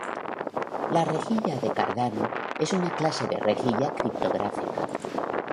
La rejilla de Cardano es una clase de rejilla criptográfica.